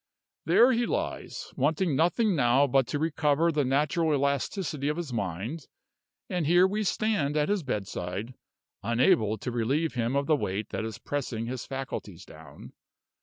"There he lies, wanting nothing now but to recover the natural elasticity of his mind; and here we stand at his bedside, unable to relieve him of the weight that is pressing his faculties down.